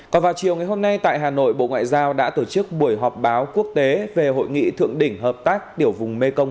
còn vào chiều ngày hôm nay tại hà nội bộ ngoại giao đã tổ chức buổi họp báo quốc tế về hội nghị thượng đỉnh hợp tác tiểu vùng mekong